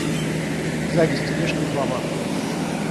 Сзади с тележкой баба.